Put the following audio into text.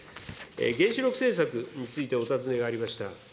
原子力政策についてお尋ねがありました。